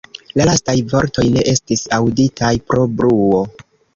La lastaj vortoj ne estis aŭditaj pro bruo.